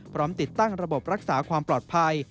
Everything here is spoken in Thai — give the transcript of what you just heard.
ติดตั้งระบบรักษาความปลอดภัย